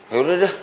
ya udah deh